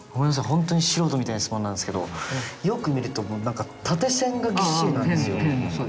本当に素人みたいな質問なんですけどよく見るともう何か縦線がぎっしりなんですよ。